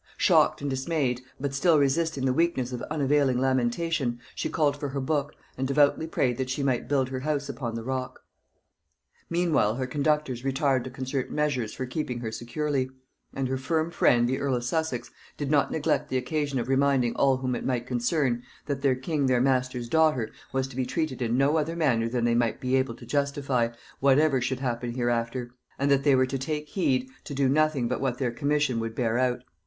Shocked and dismayed, but still resisting the weakness of unavailing lamentation, she called for her book, and devoutly prayed that she might build her house upon the rock. Meanwhile her conductors retired to concert measures for keeping her securely; and her firm friend, the earl of Sussex, did not neglect the occasion of reminding all whom it might concern, that the king their master's daughter was to be treated in no other manner than they might be able to justify, whatever should happen hereafter; and that they were to take heed to do nothing but what their commission would bear out.